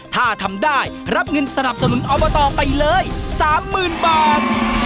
ถ้าทำได้รับเงินสนับสนุนอบตไปเลย๓๐๐๐บาท